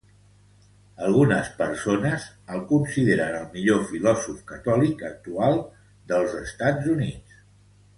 Algunes persones el consideren el millor filòsof catòlic actual dels Estats Units.